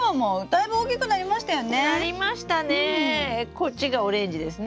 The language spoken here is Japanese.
こっちがオレンジですね？